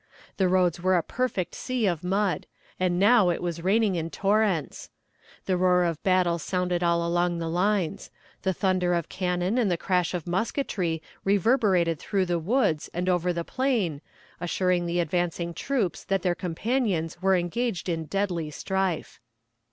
The roads were a perfect sea of mud, and now it was raining in torrents. The roar of battle sounded all along the lines; the thunder of cannon and the crash of musketry reverberated through the woods and over the plain, assuring the advancing troops that their companions were engaged in deadly strife.